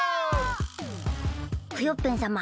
クヨッペンさま